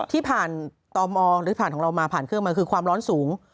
ที่ผ่านต่อมองหรือผ่านของเรามาผ่านเครื่องมาคือความร้อนสูง